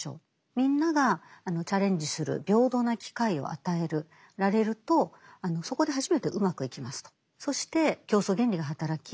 みんながチャレンジする平等な機会を与えられるとそこで初めてうまくいきますと。